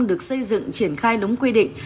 được xây dựng triển khai đúng quy định